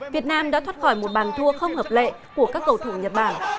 việt nam đã thoát khỏi một bàn thua không hợp lệ của các cầu thủ nhật bản